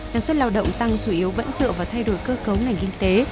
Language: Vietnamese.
năng suất lao động tăng chủ yếu vẫn dựa vào thay đổi cơ cấu ngành kinh tế